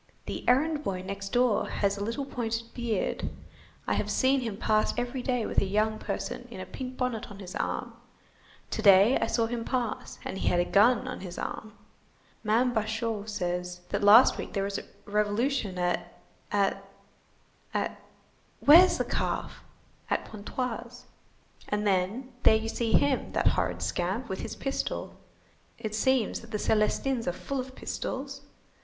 The errand boy next door has a little pointed beard, I have seen him pass every day with a young person in a pink bonnet on his arm; to day I saw him pass, and he had a gun on his arm. Mame Bacheux says, that last week there was a revolution at—at—at—where's the calf!—at Pontoise. And then, there you see him, that horrid scamp, with his pistol! It seems that the Célestins are full of pistols.